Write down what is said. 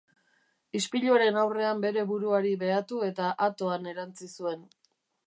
Ispiluaren aurrean bere buruari behatu eta atoan erantzi zuen.